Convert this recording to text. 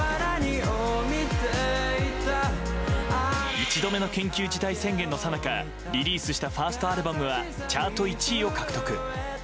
１度目の緊急事態宣言のさなかリリースしたファーストアルバムはチャート１位を獲得。